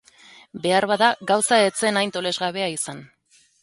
Beharbada gauza ez zen hain tolesgabea izan.